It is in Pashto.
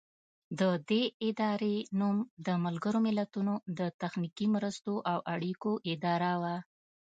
د دې ادارې نوم د ملګرو ملتونو د تخنیکي مرستو او اړیکو اداره و.